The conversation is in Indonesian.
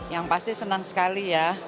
yang pasti senang sekali ya